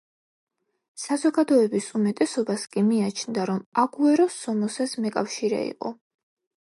საზოგადოების უმეტესობას კი მიაჩნდა, რომ აგუერო სომოსას მეკავშირე იყო.